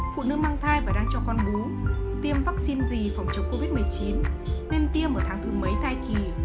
phụ nữ mang thai và đang cho con bú tiêm vaccine gì phòng chống covid một mươi chín em tiêm ở tháng thứ mấy thai kỳ